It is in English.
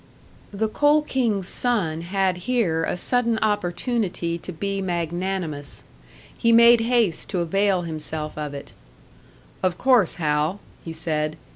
The Coal King's son had here a sudden opportunity to be magnanimous. He made haste to avail himself of it. "Of course, Hal," he said.